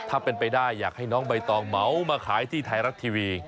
ถ้าเป็นไปได้อยากให้น้องใบตองเหมามาขายที่ไทยรัฐทีวี